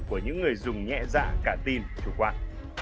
của những người dùng nhẹ dạ cả tin chủ quan